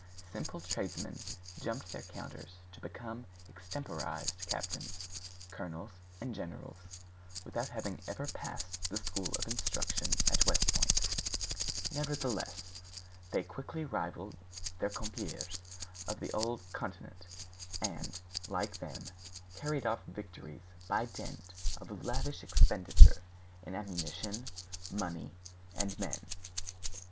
Simple tradesmen jumped their counters to become extemporized captains, colonels, and generals, without having ever passed the School of Instruction at West Point; nevertheless; they quickly rivaled their compeers of the old continent, and, like them, carried off victories by dint of lavish expenditure in ammunition, money, and men.